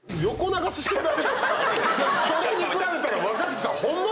それに比べたら若槻さんホンマ